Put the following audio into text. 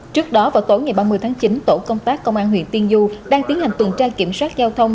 trước đó vào tối ngày ba mươi tháng chín tổ công tác công an huyện tiên du đang tiến hành tuần tra kiểm soát giao thông